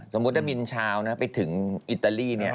สมมุติถ้ามินชาวนะไปถึงอิตาลีเนี่ย